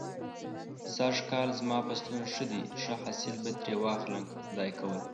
سږ کال زما فصلونه ښه دی. ښه حاصل به ترې واخلم که خدای کول.